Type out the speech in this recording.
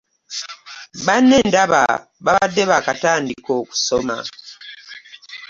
Banne ndaba babadde baakatandika okusoma.